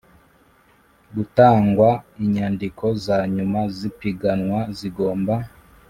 Gutangwa inyandiko za nyuma z ipiganwa zigomba